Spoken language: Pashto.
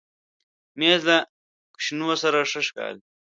مېز له کوشنو سره ښه ښکاري.